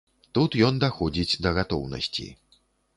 Тут ён даходзіць да гатоўнасці.